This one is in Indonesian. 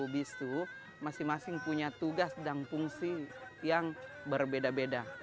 empat puluh bisu masing masing punya tugas dan fungsi yang berbeda beda